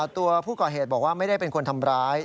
ตัวผู้ก่อเหตุบอกว่าไม่ได้เป็นคนทำร้าย